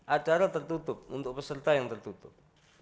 acara tertutup untuk peserta yang tertutup